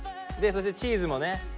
そしてチーズもね。